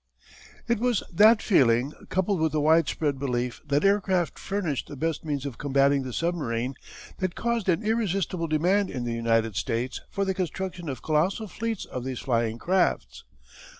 It was that feeling, coupled with the wide spread belief that aircraft furnished the best means of combating the submarine, that caused an irresistible demand in the United States for the construction of colossal fleets of these flying crafts.